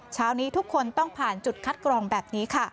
เช้านี้ทุกคนต้องผ่านจุดคัดกรองแบบนี้ค่ะ